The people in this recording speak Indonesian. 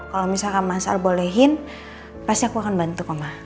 kalau misalkan mas al bolehhin pasti aku akan bantu koma